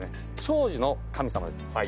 長寿の神様です。